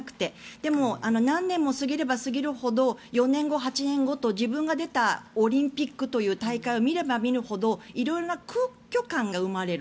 でも、何年も過ぎれば過ぎるほど４年後、８年後と自分が出たオリンピックという大会を見れば見るほど色んな空虚感が生まれる。